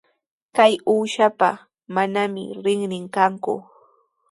Kay uushapa manami rinrin kanku.